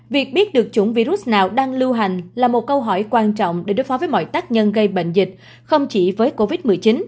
việc biết được chủng virus nào đang lưu hành là một câu hỏi quan trọng để đối phó với mọi tác nhân gây bệnh dịch không chỉ với covid một mươi chín